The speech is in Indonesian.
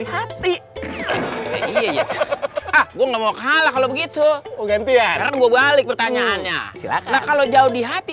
hati iya gue nggak mau kalah kalau begitu gantian gue balik pertanyaannya silakan kalau jauh di hati